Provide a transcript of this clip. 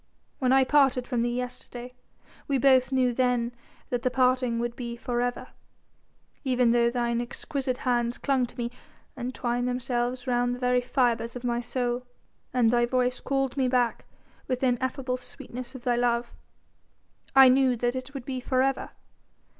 When I parted from thee yesterday we both knew then that the parting would be for ever; even though thine exquisite hands clung to me and twined themselves round the very fibres of my soul, and thy voice called me back with the ineffable sweetness of thy love, I knew that it would be for ever.